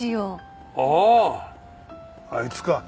あああいつか。